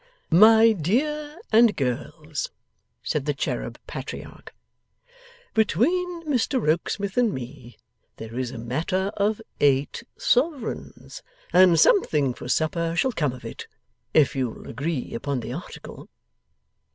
'My dear, and girls,' said the cherub patriarch, 'between Mr Rokesmith and me, there is a matter of eight sovereigns, and something for supper shall come of it, if you'll agree upon the article.